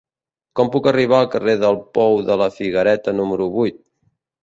Com puc arribar al carrer del Pou de la Figuereta número vuit?